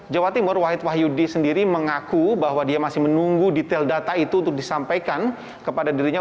jawa timur wahid wahyudi sendiri mengaku bahwa dia masih menunggu detail data itu untuk disampaikan kepada dirinya